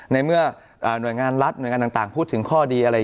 ในเมื่อหน่วยงานรัฐหน่วยงานต่างพูดถึงข้อดีอะไรอย่างนี้ได้เนี่ย